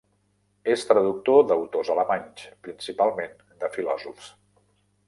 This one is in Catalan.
És traductor d'autors alemanys, principalment de filòsofs.